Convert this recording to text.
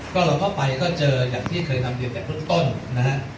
ก็เราก็ไปก็เจออย่างที่เคยนำเรียนแต่เบื้องต้นนะฮะ